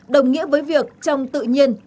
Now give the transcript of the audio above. đồng nghĩa với việc trong tự nhiên